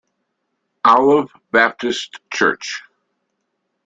Olive Baptist church.